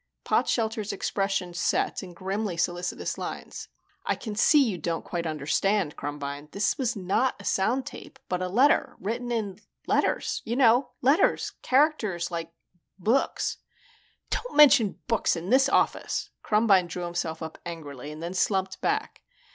Potshelter's expression set in grimly solicitous lines. "I can see you don't quite understand, Krumbine. This is not a sound tape, but a letter written in letters. You know, letters, characters like books." "Don't mention books in this office!" Krumbine drew himself up angrily and then slumped back.